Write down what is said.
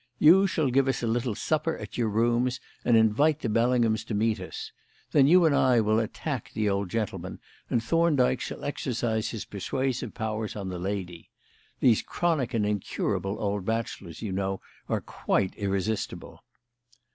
You shall give us a little supper at your rooms and invite the Bellinghams to meet us. Then you and I will attack the old gentleman, and Thorndyke shall exercise his persuasive powers on the lady. These chronic and incurable old bachelors, you know, are quite irresistible."